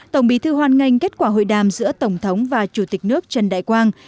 tổng bí thư hoan nghênh kết quả hội đàm giữa tổng thống và chủ tịch nước trần đại quang